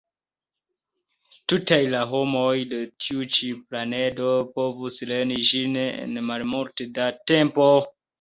Tutaj la homoj de tiu ĉi planedo povus lerni ĝin en malmulte da tempo.